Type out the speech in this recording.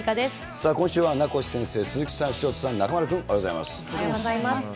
さあ、今週は名越先生、鈴木さん、潮田さん、中丸君、おはようござおはようございます。